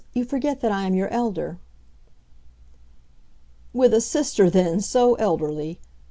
You forget that I am your elder." "With a sister, then, so elderly!"